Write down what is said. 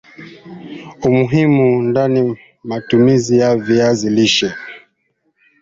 Umuhimu na Matumizi ya Viazi lishe